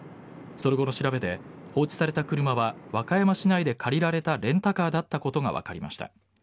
その後の調べで放置された車は和歌山市内で借りられたレンタカーだったことが分かりました。